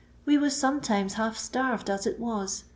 We was sometimes half starved, as it was.